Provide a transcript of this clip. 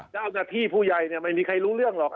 เจ้าหน้าที่ผู้ใหญ่ไม่มีใครรู้เรื่องหรอก